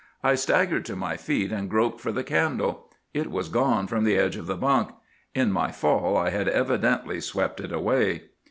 I staggered to my feet and groped for the candle; it was gone from the edge of the bunk. In my fall I had evidently swept it away.